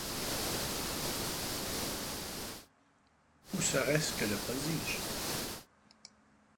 Ou serait-ce que le prodige